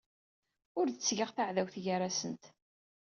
Ur d-ttgeɣ taɛdawt gar-asent.